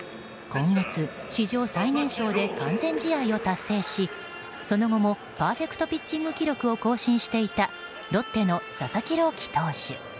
今月、史上最年少で完全試合を達成しその後もパーフェクトピッチング記録を更新していたロッテの佐々木朗希投手。